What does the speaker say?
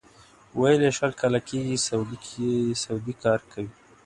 ویل یې شل کاله کېږي سعودي کار کوي.